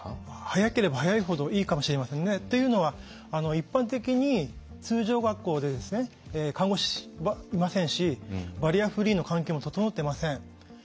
早ければ早いほどいいかもしれませんね。というのは一般的に通常学校で看護師はいませんしバリアフリーの環境も整ってません。